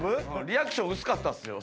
リアクション薄かったっすよ。